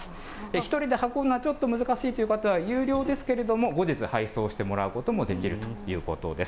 １人で運ぶのはちょっと難しいという方は有料ですけれども、後日配送してもらうこともできるということです。